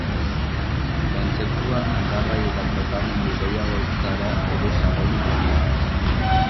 Kontzeptua aldagai eta tratamendu gehiagotara ere zabaldu daiteke.